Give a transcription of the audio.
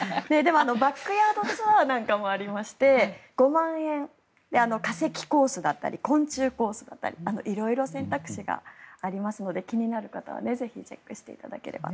バックヤードツアーなんかもありまして５万円、化石コースだったり昆虫コースだったり色々選択肢がありますので気になる方はぜひチェックしていただければと。